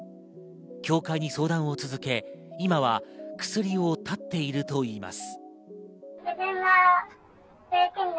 協会に相談を続け、今は薬を断っているといいます。